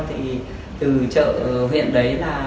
thì từ chợ huyện đấy là